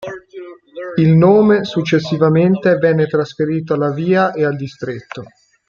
Il nome successivamente venne trasferito alla via ed al distretto.